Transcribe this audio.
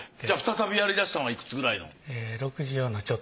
じゃあ再びやりだしたのはいくつくらい。